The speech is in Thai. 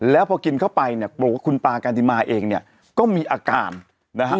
แล้วพอกินเข้าไปเนี่ยบอกว่าคุณปลาการติมาเองเนี่ยก็มีอาการนะฮะ